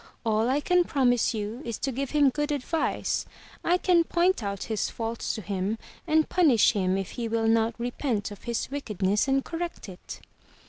All I can promise you is to give him good advice. I can point out his faults to him and punish him if he will not repent of his wickedness and correct it."